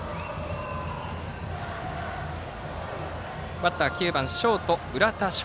バッターは９番ショートの浦田翔